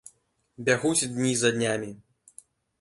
Бягуць дні за днямі.